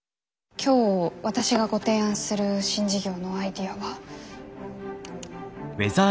今日私がご提案する新事業のアイデアは。